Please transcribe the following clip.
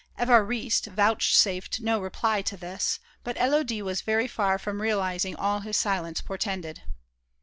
Évariste vouchsafed no reply to this, but Élodie was very far from realizing all his silence portended.